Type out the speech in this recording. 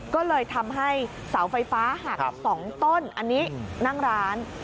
ก็เลยทำให้เสาไฟฟ้าหัก๒ต้นอันนี้นั่งร้าน